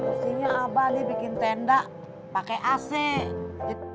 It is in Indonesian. pusinya abah nih bikin tenda pake ac